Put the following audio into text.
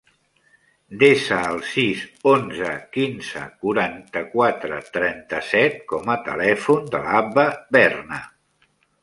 Desa el sis, onze, quinze, quaranta-quatre, trenta-set com a telèfon de l'Abba Berna.